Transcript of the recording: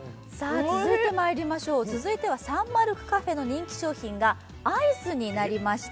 続いてはサンマルクカフェの人気商品がアイスになりました。